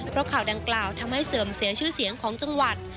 เพราะข่าวดังกล่าวทำให้เสื่อมเสียชื่อเสียงของจังหวัด